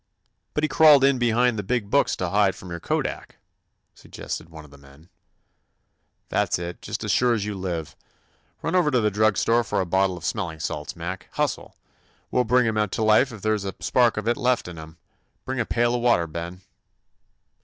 "But he crawled in behind the big books to hide from your kodak," sug gested one of the men. "That 's it, just as sure as you live I Run over to the drugstore for a bottle of smelling salts, Mac. Hustle! We '11 bring him to life if there 's a spark of it left in him. Bring a pail of water, Ben."